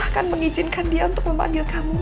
bahkan mengizinkan dia untuk memanggil kamu